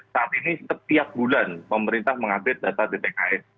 saat ini setiap bulan pemerintah mengupdate data dtks